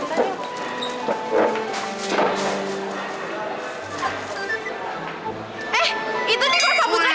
eh itu nih kursa putra kan